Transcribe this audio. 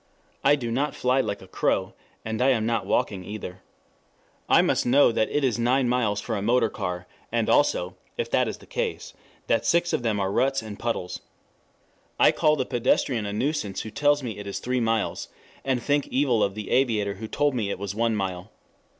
I do not fly like a crow, and I am not walking either. I must know that it is nine miles for a motor car, and also, if that is the case, that six of them are ruts and puddles. I call the pedestrian a nuisance who tells me it is three miles and think evil of the aviator who told me it was one mile.